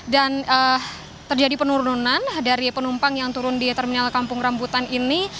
dan terjadi penurunan dari penumpang yang turun di terminal kampung rambutan ini